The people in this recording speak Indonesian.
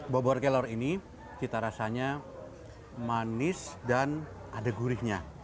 bobor kelor ini cita rasanya manis dan ada gurihnya